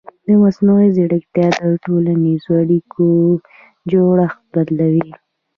مصنوعي ځیرکتیا د ټولنیزو اړیکو جوړښت بدلوي.